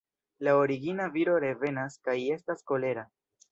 La origina viro revenas kaj estas kolera.